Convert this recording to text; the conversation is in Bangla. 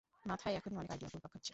মাথায় এখনি অনেক আইডিয়া ঘুরপাক খাচ্ছে।